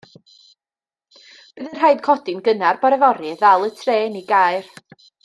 Bydd yn rhaid codi'n gynnar bore fory i ddal y trên i Gaer.